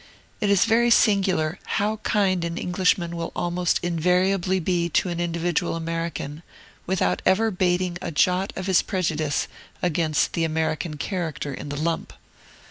It is very singular how kind an Englishman will almost invariably be to an individual American, without ever bating a jot of his prejudice against the American character in the lump.